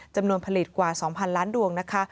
จำนวนผลิตกว่า๒๐๐๐ล้านดวงนะคะ